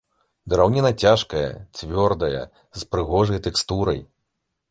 Драўніна цяжкая, цвёрдая, з прыгожай тэкстурай.